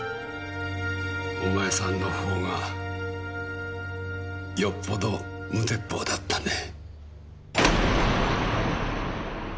お前さんの方がよっぽど無鉄砲だったね。